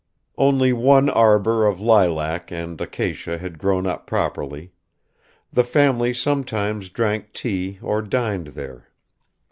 Only one arbor of lilac and acacia had grown up properly; the family sometimes drank tea or dined there.